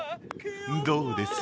「どうです？